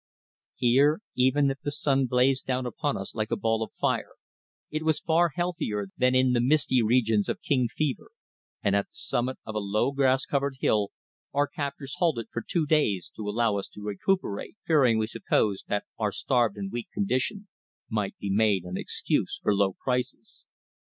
Here, even if the sun blazed down upon us like a ball of fire, it was far healthier than in the misty regions of King Fever, and at the summit of a low grass covered hill our captors halted for two days to allow us to recuperate, fearing, we supposed, that our starved and weak condition might be made an excuse for low prices.